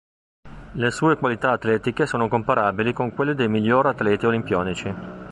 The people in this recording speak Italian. Le sue qualità atletiche sono comparabili con quelle dei miglior atleti olimpionici.